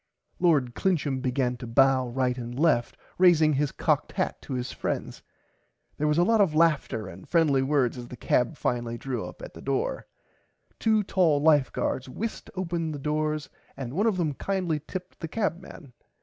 Lord Clincham began to bow right and left raising his cocked hat to his friends. There was a lot of laughter and friendly words as the cab finally drew up at the front door. Two tall life guards whisked open the doors and one of them kindly tipped the cabman.